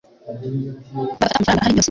bagafata amafaranga ahari yose